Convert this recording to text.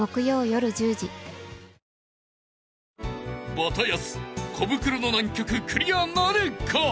［バタヤスコブクロの難曲クリアなるか？］